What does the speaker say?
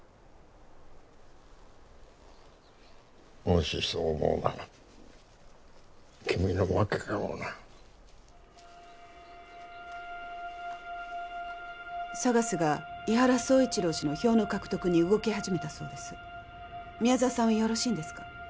もしそう思うなら君の負けかもなＳＡＧＡＳが伊原総一郎氏の票の獲得に動き始めたそうです宮沢さんはよろしいんですか？